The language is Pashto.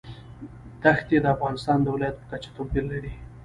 ښتې د افغانستان د ولایاتو په کچه توپیر لري.